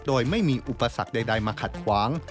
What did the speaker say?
โดยไม่มีอุปสรรคใดมาขัดขวาง